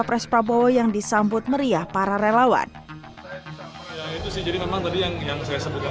pres prabowo yang disambut meriah para relawan itu sih jadi memang tadi yang saya sebutkan